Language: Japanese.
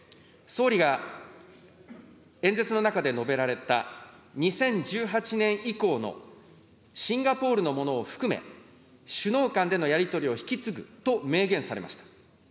総理が演説の中で述べられた、２０１８年以降のシンガポールのものを含め、首脳間でのやり取りを引き継ぐと明言されました。